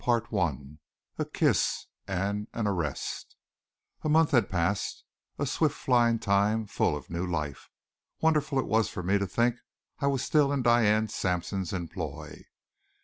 Chapter 2 A KISS AND AN ARREST A month had passed, a swift flying time full of new life. Wonderful it was for me to think I was still in Diane Sampson's employ.